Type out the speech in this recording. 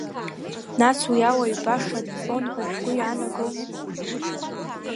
Нас уи ауаҩ баша дтәон ҳәа шәгәы иаанагома?